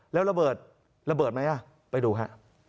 แล้วระเบิดระเบิดไหมไปดูฮะ